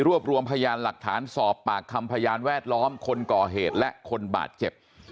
รวมรวมพยานหลักฐานสอบปากคำพยานแวดล้อมคนก่อเหตุและคนบาดเจ็บ